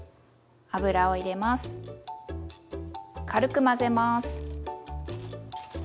軽く混ぜます。